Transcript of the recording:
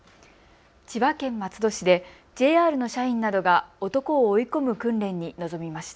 千葉県松戸市でＪＲの社員などが男を追い込む訓練に臨みました。